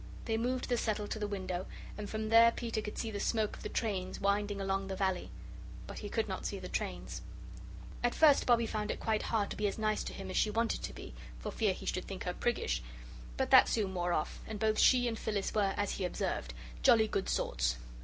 They moved the settle to the window, and from there Peter could see the smoke of the trains winding along the valley. But he could not see the trains. At first Bobbie found it quite hard to be as nice to him as she wanted to be, for fear he should think her priggish. But that soon wore off, and both she and Phyllis were, as he observed, jolly good sorts.